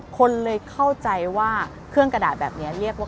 คนเลยเข้าใจว่าเครื่องกระดาษแบบนี้เรียกว่า